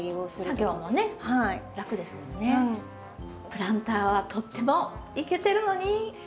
プランターはとってもイケてるのに。